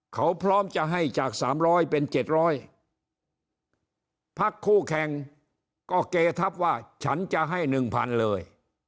เขาพร้อมจะให้จากสามร้อยเป็นเจ็ดร้อยพรรคคู่แข่งก็เกยร์ทัพว่าฉันจะให้หนึ่งพันเลย